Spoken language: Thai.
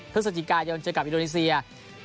๑๗พฤษจิกายนจะกลับอิโดนีเซีย